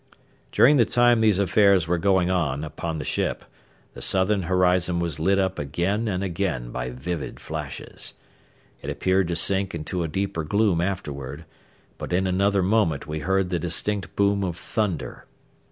During the time these affairs were going on upon the ship, the southern horizon was lit up again and again by vivid flashes. It appeared to sink into a deeper gloom afterward, but in another moment we heard the distant boom of thunder.